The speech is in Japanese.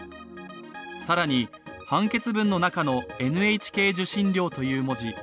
更に、判決文の中の「ＮＨＫ受信料」という文字。